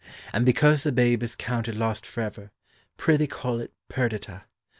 And because the babe is counted lost for ever, prithee call it Perdita.